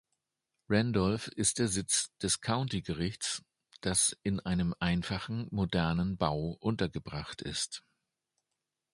Randolph ist Sitz des County-Gerichts, das in einem einfachen, modernen Bau untergebracht ist.